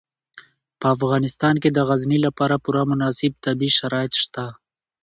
په افغانستان کې د غزني لپاره پوره مناسب طبیعي شرایط شته.